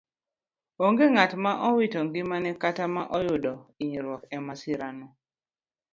Onge ng'at ma owito ngimane kata ma oyudo inyruok emasirano.